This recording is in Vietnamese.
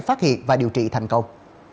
phát hiện và điều trị thành công